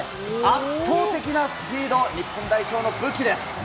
圧倒的なスピード、日本代表の武器です。